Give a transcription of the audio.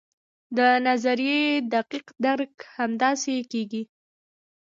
د نظریې دقیق درک همداسې کیږي.